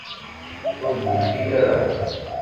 Ur d-yekfi ara.